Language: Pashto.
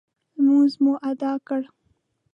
لمونځ مو اداء کړ.